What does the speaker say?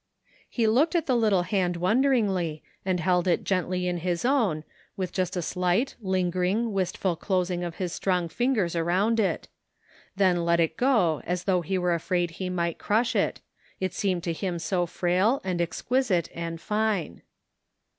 He looked at the little hand wonderingly and held it gently in his own, with just a slight, lingering, wist ful closing of his strong fingers around it ; then let it go as though he were afraid he might crush it, it seemed to him so frail and exquisite and fine.